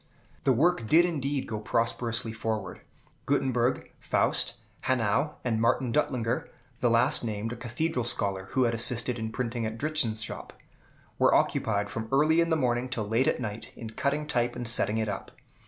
The work did indeed go prosperously forward. Gutenberg, Faust, Hanau, and Martin Duttlinger, the last named a Cathedral scholar who had assisted in printing at Dritzhn's shop, were occupied from early in the morning till late at night in cutting type and setting it up.